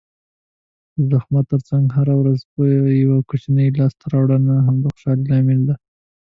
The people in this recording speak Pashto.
د زحمت ترڅنګ هره ورځ یوه کوچنۍ لاسته راوړنه هم د خوشحالۍ لامل شي.